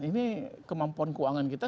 ini kemampuan keuangan kita